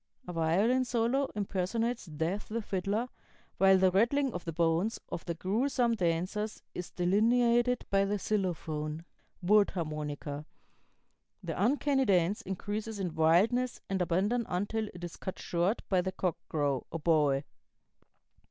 A violin solo impersonates Death the fiddler, while the rattling of the bones of the grewsome dancers is delineated by the xylophone (wood harmonica). The uncanny dance increases in wildness and abandon until it is cut short by the cock crow (oboe).